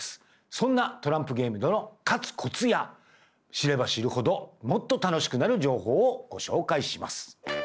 そんなトランプゲームでの勝つコツや知れば知るほどもっと楽しくなる情報をご紹介します。